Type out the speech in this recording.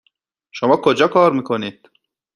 شما کجا کار میکنید؟